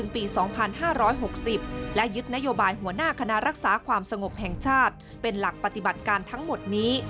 ปี๒๕๖๐และยึดนโยบายหัวหน้าคณะรักษาความสงบแห่งชาติเป็นหลักปฏิบัติการทั้งหมดนี้